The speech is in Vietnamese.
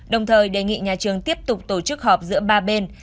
đồng thời đề nghị nhà trường tiếp tục tổ chức họp giữa ba bên